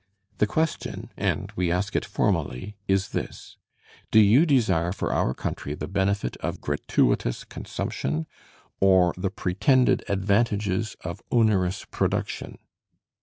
The question, and we ask it formally, is this, Do you desire for our country the benefit of gratuitous consumption, or the pretended advantages of onerous production?